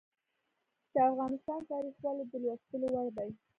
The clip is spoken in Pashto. د افغانستان تاریخ ولې د لوستلو وړ دی؟